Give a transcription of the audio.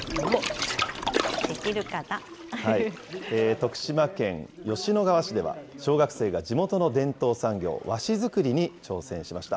徳島県吉野川市では、小学生が地元の伝統産業、和紙作りに挑戦しました。